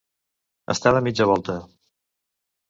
Estar de mitja volta.